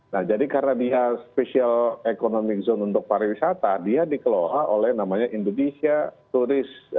nah jadi karena dia special economic zone untuk pariwisata dia dikelola oleh namanya indonesia touris